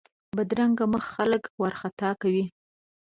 بدرنګه مخ خلک وارخطا کوي